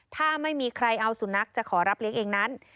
ถ้าไม่มีใครเอาสุนัขจะขอรับเลี้ยงเองนั้น